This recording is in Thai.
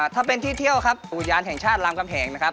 ถ้าเป็นที่เที่ยวครับอุทยานแห่งชาติรามกำแหงนะครับ